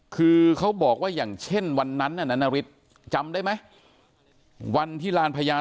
คือเขาบอกว่าอย่างเช่นวันนั้นน่ะนานาริสจำได้ไหมวันที่ลานพญา